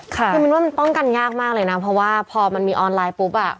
คือมินว่ามันป้องกันยากมากเลยนะเพราะว่าพอมันมีออนไลน์ปุ๊บอ่ะ